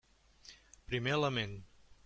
Primer element.